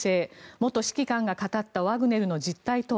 元指揮官が語ったワグネルの実態とは。